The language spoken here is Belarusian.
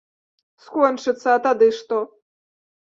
Скончыцца, а тады што?